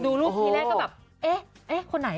ดูรูปทีแรกก็แบบเอ๊ะคนไหน